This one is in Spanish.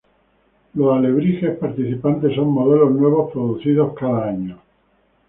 Los alebrijes participantes son modelos nuevos producidos cada año.